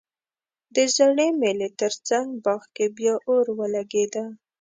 د زړې مېلې ترڅنګ باغ کې بیا اور ولګیده